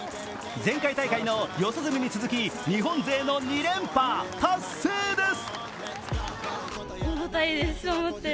前回大会の四十住に続き、日本勢の２連覇達成です。